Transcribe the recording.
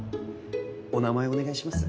お名前をお願いします。